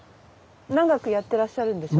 長くやってらっしゃるんでしょう？